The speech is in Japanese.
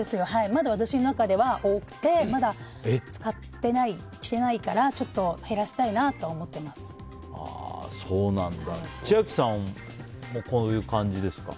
まだ私の中では多くてまだ使ってない、着てないからちょっと減らしたいなって千秋さんもこういう感じですか。